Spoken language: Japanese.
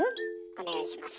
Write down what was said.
お願いします。